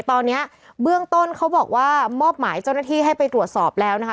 ตอนนี้เบื้องต้นเขาบอกว่ามอบหมายเจ้าหน้าที่ให้ไปตรวจสอบแล้วนะคะ